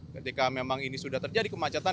ketika memang ini sudah terjadi kemacetan